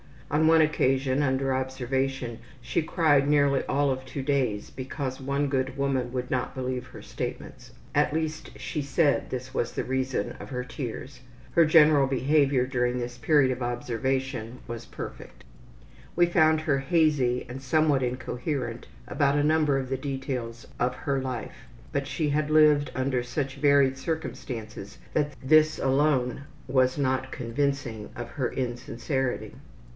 On one occasion, under observation, she cried nearly all of two days because one good woman would not believe her statements. At least she said this was the reason of her tears. Her general behavior during this period of observation was perfect. We found her hazy and somewhat incoherent about a number of the details of her life, but she had lived under such varied circumstances that this alone was not convincing of her insincerity.